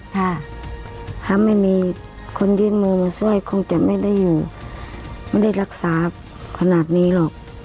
ถ้าไม่มีคนยื่นมือมาช่วยคงจะไม่ได้อยู่ไม่ได้รักษาขนาดนี้หรอก